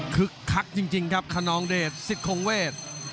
คึกคักจริงครับคนนองเดชสิทธิ์คงเวช